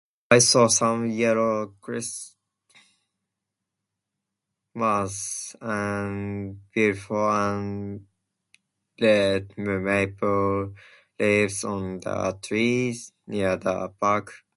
I saw some yellow crisp-moss and before and... the ma- maple leaves on the trees near the park.